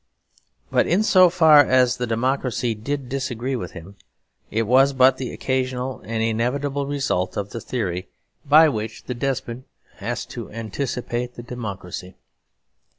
But in so far as the democracy did disagree with him, it was but the occasional and inevitable result of the theory by which the despot has to anticipate the democracy.